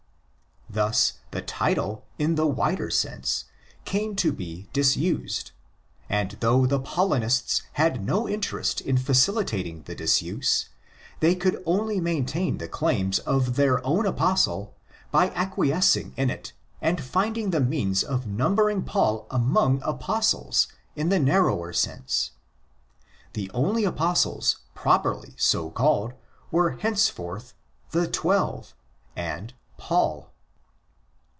Thus the title, in the wider sense, came to be disused ; and, though the Paulinists had no interest in facilitating the disuse, they could only maintain the claims of their own Apostle by acquiescing in it and finding the means of numbering Paul among '' Apostles" in the narrower sense. The only Apostles properly so called were henceforth '' the Twelve" and Paul.